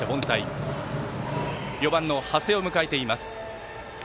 そして４番、長谷を迎えています。